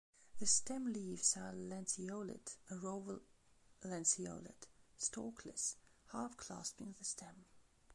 The stem leaves are lanceolate or oval-lanceolate, stalkless, half-clasping the stem.